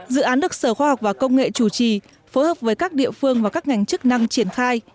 dự án được sở khoa học và công nghệ chủ trì phối hợp với các địa phương và các ngành chức năng triển khai